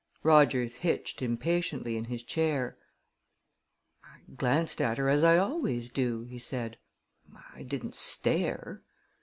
Rogers hitched impatiently in his chair. "I glanced at her, as I always do," he said. "I didn't stare."